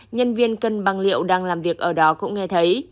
nhân viên cân băng liệu đang làm việc ở đó cũng nghe thấy